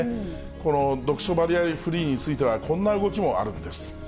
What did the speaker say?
この読書バリアフリーについては、こんな動きもあるんです。